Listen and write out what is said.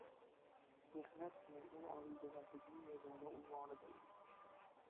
Mehnat chinakam olijanoblikning yagona unvonidir!